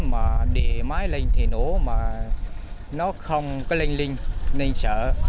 mà điện máy lên thì nổ mà nó không có lênh linh nên sợ